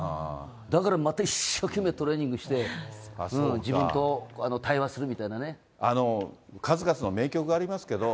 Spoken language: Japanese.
だから、また一生懸命トレーニングして、自分と対話するみたいな数々の名曲がありますけど、